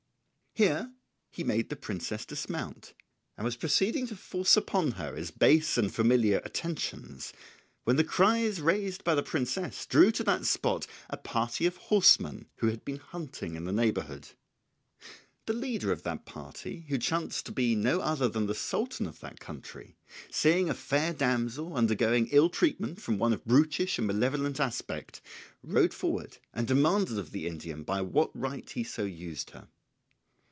Here he made the princess dismount, and was proceeding to force upon her his base and familiar attentions, when the cries raised by the princess drew to that spot a party of horsemen who had been hunting in the neighbourhood. The leader of the party, who chanced to be no other than the Sultan of that country, seeing a fair damsel undergoing ill treatment from one of brutish and malevolent aspect, rode forward and demanded of the Indian by what right he so used her.